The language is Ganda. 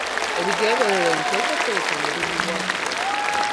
Ebigendererwa ebiteeketeeke bye biriwa?